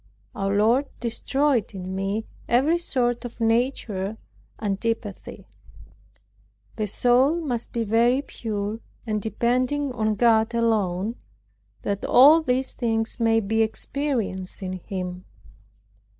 Our Lord destroyed in me every sort of natural antipathy. The soul must be very pure, and depending on God alone, that all these things may be experienced in Him.